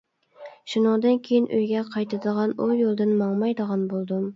شۇنىڭدىن كېيىن ئۆيگە قايتىدىغان ئۇ يولدىن ماڭمايدىغان بولدۇم.